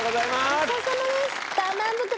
ごちそうさまです。